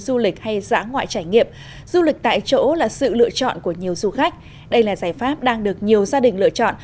du lịch hay giã ngoại trải nghiệm du lịch tại chỗ là sự lựa chọn của nhiều du khách đây là giải pháp đang được nhiều gia đình lựa chọn